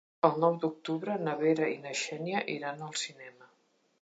El nou d'octubre na Vera i na Xènia iran al cinema.